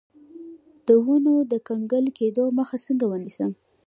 د ونو د کنګل کیدو مخه څنګه ونیسم؟